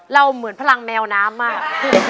เหมือนพลังแมวน้ำมาก